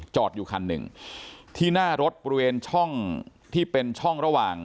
อยู่คันหนึ่งที่หน้ารถบริเวณช่องที่เป็นช่องระหว่าง